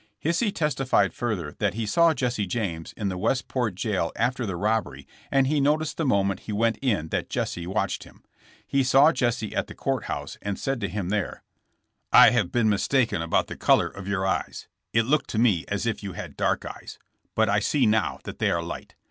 Hisey testified further that he saw Jesse James in the Westport jail after the robbery and he noticed the moment he went in that Jesse watched him. He saw Jesse at the court house and said to him there : I have been mistaken about the color of your eyes. It looked to me as if you had dark eyes, but I see now that they are light.